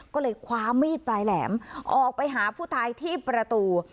ก็เลยคว้ามีดปลายแหลมออกไปหาผู้ตายที่ประตู